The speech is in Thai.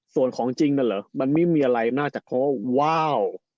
ส่วนของจริงนั่นเหรอมันไม่มีอะไรน่าจะเขาว้าว